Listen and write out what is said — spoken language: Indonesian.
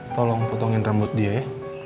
tolong potongin rambut dia ya